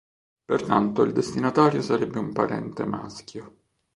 Pertanto il destinatario sarebbe un parente maschio.